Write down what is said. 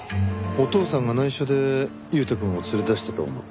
お父さんが内緒で悠太くんを連れ出したと思ったんだね。